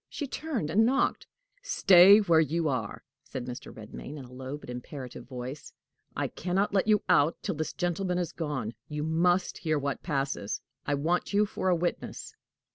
She turned, and knocked. "Stay where you are," said Mr. Redmain, in a low but imperative voice. "I can not let you out till this gentleman is gone. You must hear what passes: I want you for a witness."